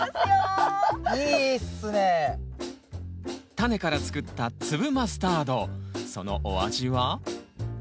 タネから作った粒マスタードそのお味は？